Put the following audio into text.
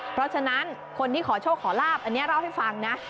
เพราะฉะนั้นคนที่ขอโชคขอลาบอันนี้เล่าให้ฟังนะ